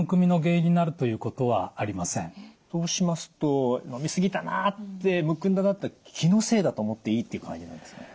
そうしますと飲み過ぎたなってむくんだなって気のせいだと思っていいっていう感じなんですかね？